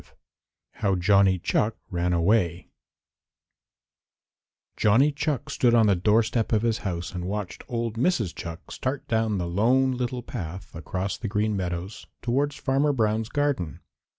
V HOW JOHNNY CHUCK RAN AWAY Johnny Chuck stood on the doorstep of his house and watched old Mrs. Chuck start down the Lone Little Path across the Green Meadows towards Farmer Brown's garden.